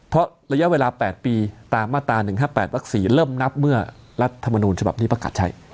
เพราะระยะเวลา๘ปีตามมาตรา๑๕๘วัก๔เริ่มนับเมื่อรัฐมนูลฉบับนี้ประกาศใช้